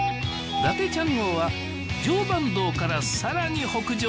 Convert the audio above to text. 伊達ちゃん号は常磐道からさらに北上